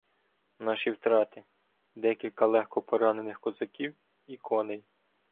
Наші втрати — декілька легко поранених козаків і коней.